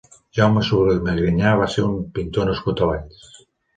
Jaume Solé Magriñà va ser un pintor nascut a Valls.